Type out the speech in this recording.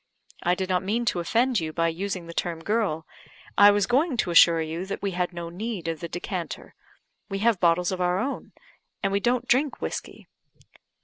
I did not mean to offend you by using the term girl; I was going to assure you that we had no need of the decanter. We have bottles of our own and we don't drink whiskey."